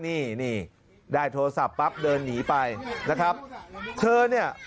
นี่นี่ได้โทรศัพท์ปั๊บเดินหนีไปนะครับเธอเนี่ย